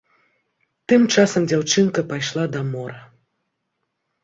Там часам дзяўчынка пайшла да мора.